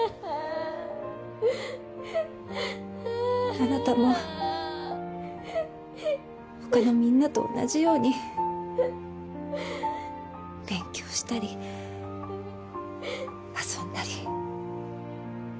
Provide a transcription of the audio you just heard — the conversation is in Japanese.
あなたも他のみんなと同じように勉強したり遊んだり。